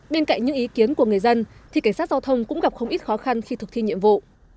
bên cạnh những ý kiến của người dân thì cảnh sát giao thông cũng gặp không ít khó khăn khi thực thi nhiệm vụ